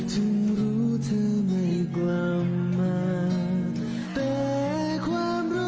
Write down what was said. ฉันรู้เธอไม่กว้ามมาแต่ความรู้สึก